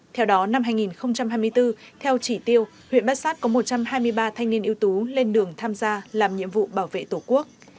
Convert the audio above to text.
theo đó năm hai nghìn hai mươi bốn theo chỉ tiêu huyện bát sát có một trăm hai mươi ba thanh niên ưu tú lên đường tham gia làm nhiệm vụ bảo vệ tổ quốc